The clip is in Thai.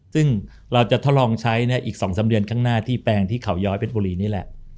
ซึ่งเราจะทดลองใช้อีก๒๓เดือนข้างหน้าที่แปลงที่เขาย้อยเพชรบุรีนี่แหละ